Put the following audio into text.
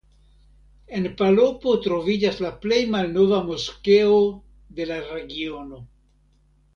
En Palopo troviĝas la plej malnova moskeo de la regiono.